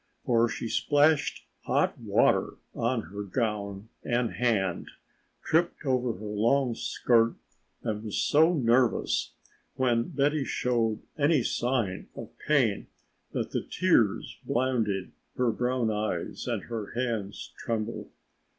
For she splashed hot water on her gown and hand, tripped over her long skirt, and was so nervous when Betty showed any signs of pain that the tears blinded her brown eyes and her hands trembled.